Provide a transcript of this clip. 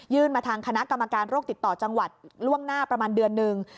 มาทางคณะกรรมการโรคติดต่อจังหวัดล่วงหน้าประมาณเดือนหนึ่ง